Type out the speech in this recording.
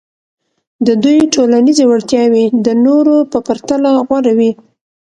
د دوی ټولنیزې وړتیاوې د نورو په پرتله غوره وې.